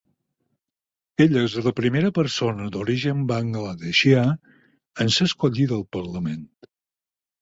Ella és la primera persona d'origen bangladeshià en ser escollida al parlament.